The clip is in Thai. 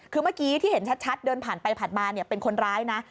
คือเมื่อกี้ที่เห็นชัดเดินผ่านไปผ่านมาเป็นคนร้ายนะ